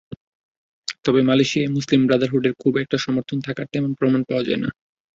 তবে মালয়েশিয়ায় মুসলিম ব্রাদারহুডের খুব একটা সমর্থন থাকার তেমন প্রমাণ পাওয়া যায় না।